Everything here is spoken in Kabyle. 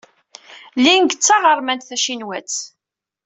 Ling d taɣermant tacinwat.